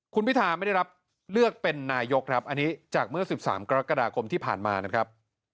คุณพิธาไม่ได้รับเลือกเป็นนายกครับอันนี้จากเมื่อ๑๓กรกฎาคมที่ผ่านมานะครับ